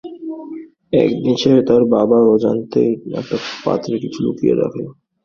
একদিন সে তার বাবার অজান্তেই একটা পাত্রে কিছু লুকিয়ে রাখে।